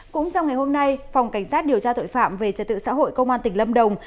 cũng trong ngày hôm nay phòng cảnh sát điều tra tội phạm về trật tự xã hội công an tỉnh lâm đồng